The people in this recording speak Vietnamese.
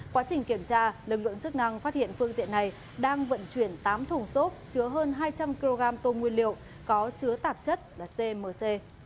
quá trình kiểm tra lực lượng chức năng phát hiện phương tiện này đang vận chuyển tám thùng xốp chứa hơn hai trăm linh kg tôm nguyên liệu có chứa tạp chất là tmc